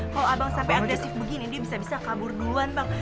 kalau abang sampai agresif begini dia bisa bisa kabur duluan bang